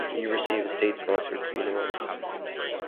He received a state sponsored funeral.